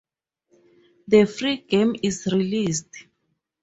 The free game is released.